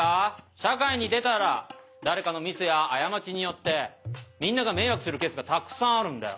社会に出たら誰かのミスや過ちによってみんなが迷惑するケースがたくさんあるんだよ。